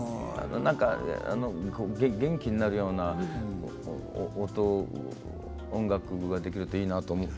元気になるような音楽ができるといいなと思って。